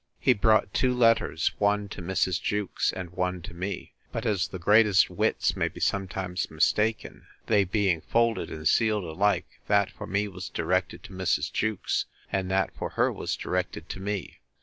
He brought two letters, one to Mrs. Jewkes, and one to me: but, as the greatest wits may be sometimes mistaken, they being folded and sealed alike, that for me was directed to Mrs. Jewkes; and that for her was directed to me.